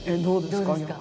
どうですか？